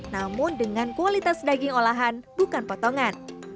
namun dengan kualitas daging olahan bukan potongan